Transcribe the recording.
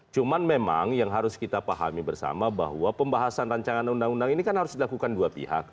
cuman memang yang harus kita pahami bersama bahwa pembahasan rancangan undang undang ini kan harus dilakukan dua pihak